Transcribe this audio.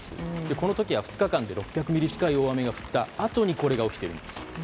この時は２日間で６００ミリ近い大雨が降ったあとにこれが起きているんです。